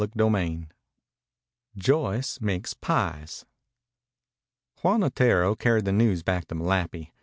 CHAPTER XLV JOYCE MAKES PIES Juan Otero carried the news back to Malapi.